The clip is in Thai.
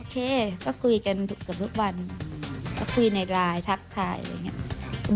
เคก็คุยกันเกือบทุกวันก็คุยในไลน์ทักทายอะไรอย่างนี้